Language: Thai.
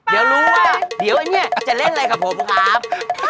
เดี๋ยวรู้ว่าเดี๋ยวไอ้เนี่ยจะเล่นอะไรกับผมครับ